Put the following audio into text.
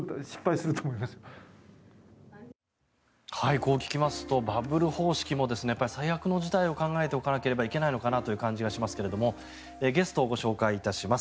こう聞きますとバブル方式も最悪の事態を考えておかなければという感じがしますけどゲストをご紹介します。